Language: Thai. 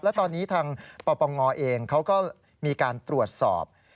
และตอนนี้ทางปปงเองเขาก็มีการตรวจสอบ